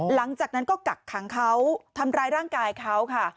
หลังจากนั้นก็กักขังเขาทำร้ายร่างกายเขาค่ะ